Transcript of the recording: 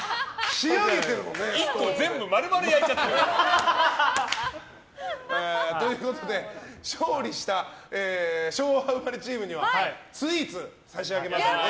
１個全部、丸々焼いちゃってる。ということで勝利した昭和生まれチームにはスイーツ差し上げますので。